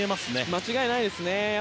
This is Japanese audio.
間違いないですね。